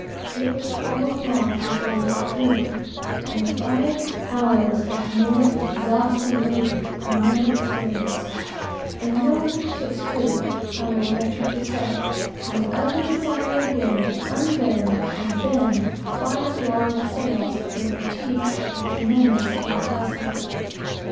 It was twelve o'clock before we got through; and five hours of more exhausting labor I never experienced; and no one of that ship's crew, I will venture to say, will ever desire again to unbend and bend five large sails, in the teeth of a tremendous north wester.